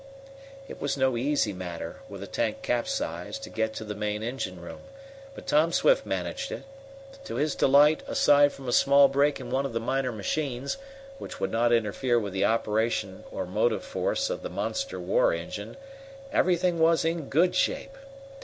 It was no easy matter, with the tank capsized, to get to the main engine room, but Tom Swift managed it. To his delight, aside from a small break in one of the minor machines, which would not interfere with the operation or motive force of the monster war engine, everything was in good shape.